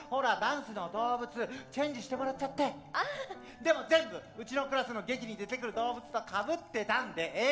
でも全部うちのクラスの劇に出てくる動物とかぶってたんでええ。